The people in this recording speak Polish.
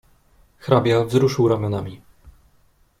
"Hrabia wzruszył ramionami."